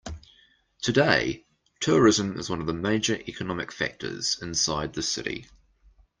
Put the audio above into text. Today, tourism is one of the major economic factors inside the city.